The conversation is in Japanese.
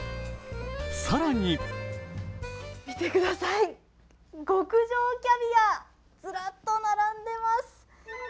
更に見てください、極上キャビアずらっと並んでいます。